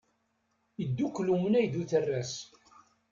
Iddukel umnay d uterras.